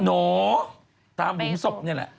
หนูตามหลุมศพนี่แหละ